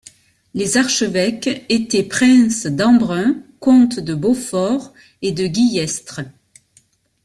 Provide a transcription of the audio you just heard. Les archevêques étaient princes d'Embrun, comtes de Beaufort et de Guillestre.